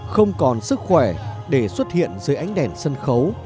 không còn sức khỏe để xuất hiện dưới ánh đèn sân khấu